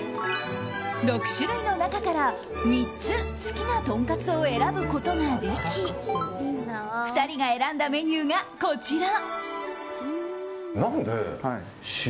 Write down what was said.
６種類の中から３つ好きなとんかつを選ぶことができ２人が選んだメニューがこちら。